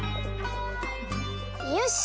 よし！